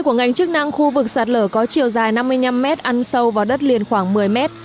của ngành chức năng khu vực sạt lở có chiều dài năm mươi năm mét ăn sâu vào đất liền khoảng một mươi mét